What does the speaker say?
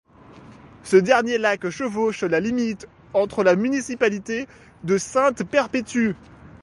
Ce dernier lac chevauche la limite entre la municipalité de Sainte-Perpétue.